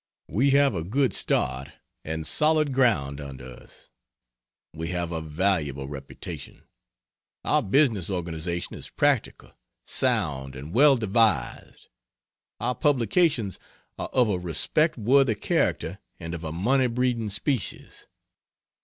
We have a good start, and solid ground under us; we have a valuable reputation; our business organization is practical, sound and well devised; our publications are of a respect worthy character and of a money breeding species.